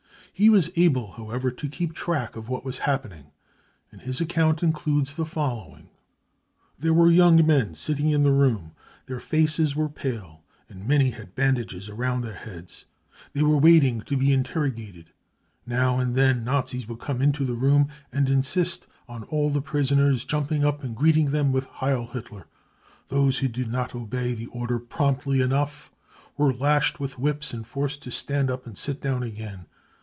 He was able, however, to keep track of what was happening, and his account includes the following : u There were young men sitting in the room. Their faces were pale, and many had bandages round their heads. They were waiting to be interrogated. Now and then Nazis would come into the room and insist on all the prisoners jumping up and greeting them with c Heil Hitler. 5 Those who did not obey the order promptly enough were lashed with whips and forced to stand up and sit down again.